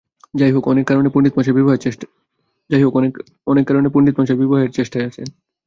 যাহা হউক, অনেক কারণে পণ্ডিতমহাশয় বিবাহের চেষ্টায় আছেন।